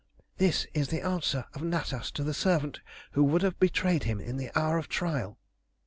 This is the answer of Natas to the servant who would have betrayed him in the hour of trial."